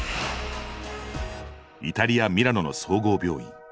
イタリアミラノの総合病院